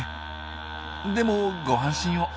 でもご安心を。